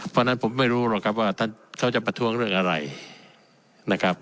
เพราะฉะนั้นผมไม่รู้หรอกครับว่าท่านเขาจะประท้วงเรื่องอะไรนะครับ